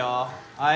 はい。